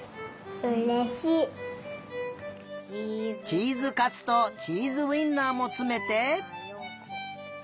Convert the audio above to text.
チーズかつとチーズウインナーもつめて。